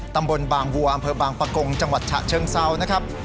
ตำบลบางวัวอำเภอบางปะกงจังหวัดฉะเชิงเซานะครับ